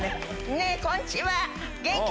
ねぇこんにちは！